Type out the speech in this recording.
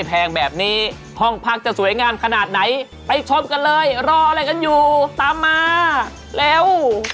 แพงแบบนี้ห้องพักจะสวยงามขนาดไหนไปชมกันเลยรออะไรกันอยู่ตามมาเร็ว